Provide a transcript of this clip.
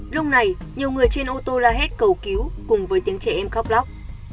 lúc này nhiều người trên ô tô la hét cầu cứu cùng với tiếng trẻ em khóc lóc